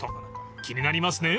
［気になりますね。